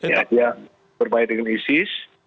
ya dia bermain dengan isis